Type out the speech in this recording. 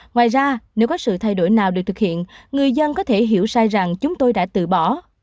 ngoài ra nếu có sự thay đổi nào được thực hiện người dân có thể hiểu sai rằng chúng tôi đã tự bỏ